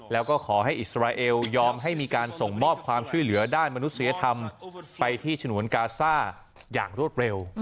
แล้วก็ขอให้อิสราเอลยอมให้มีการส่งมอบความช่วยเหลือด้านมนุษยธรรมไปที่ฉนวนกาซ่าอย่างรวดเร็ว